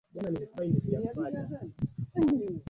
walikuwa wengi kidogo Hasa Aleksandria tangu karne nyingi waliishi